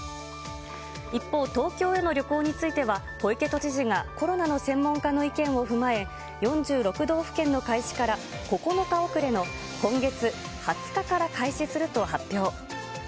一方、東京への旅行については、小池都知事がコロナの専門家の意見を踏まえ、４６道府県の開始から９日遅れの今月２０日から開始すると発表。